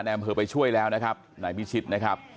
อำเภอไปช่วยแล้วนะครับนายพิชิตนะครับ